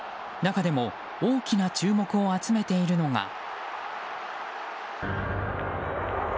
中でも大きな注目を集めているのが。